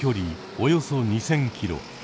およそ２，０００キロ。